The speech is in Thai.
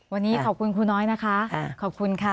วันนี้ขอบคุณครูน้อยนะคะขอบคุณค่ะ